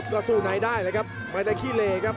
ก็สู้ในได้เลยครับไม่ได้ขี้เลครับ